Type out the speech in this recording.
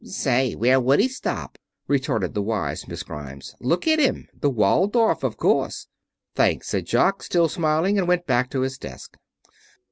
"Say, where would he stop?" retorted the wise Miss Grimes. "Look at him! The Waldorf, of course." "Thanks," said Jock, still smiling. And went back to his desk.